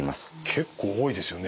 結構多いですよね。